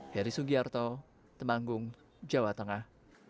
heri sugiarto temanggung jawa tengah